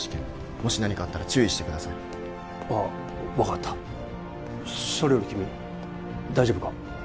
もし何かあったら注意してくださいああ分かったそれより君大丈夫か？